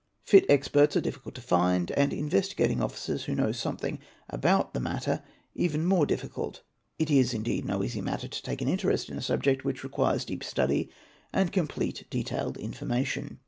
Fit experts are difficult to find, and Inyesti _ gating Officers who know something about the matter even more difficult. It is indeed no easy matter to take an interest in a subject which requires" deep study and complete detailed information.